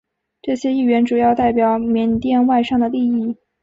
这些议员主要代表缅甸外商的利益。